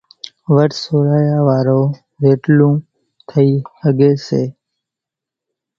ورت سوڙايا وارو زيٽلون ٿئي ۿڳي سي۔